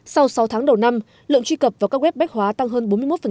sau sáu tháng đầu năm lượng truy cập vào các web bách hóa tăng hơn bốn mươi một